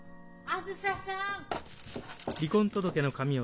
あづささん。